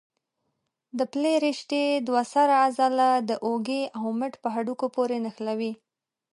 د پلې رشتې دوه سره عضله د اوږې او مټ په هډوکو پورې نښلوي.